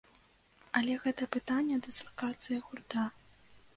Але гэта пытанне дыслакацыі гурта.